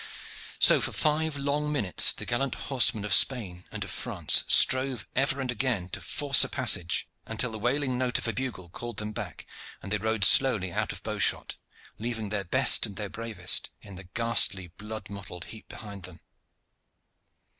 So for five long minutes the gallant horsemen of Spain and of France strove ever and again to force a passage, until the wailing note of a bugle called them back, and they rode slowly out of bow shot, leaving their best and their bravest in the ghastly, blood mottled heap behind them.